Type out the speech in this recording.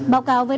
báo cáo với